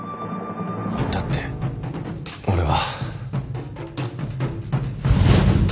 だって俺は。